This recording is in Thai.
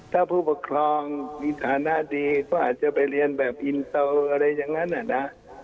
ถ้าผู้ปกครองมีฐานะดีก็อาจจะไปเรียนแบบอินเตอร์อะไรอย่างนั้นนะ